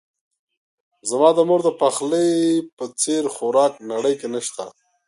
زما د مور دپخلی په څیر خوراک نړۍ کې نه شته